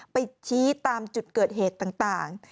ไปชี้ตามจุดเกิดเหตุต่าง